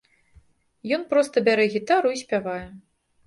Ён проста бярэ гітару і спявае.